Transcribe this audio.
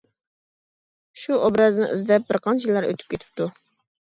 شۇ ئوبرازنى ئىزدەپ بىر قانچە يىللار ئۆتۈپ كېتىپتۇ.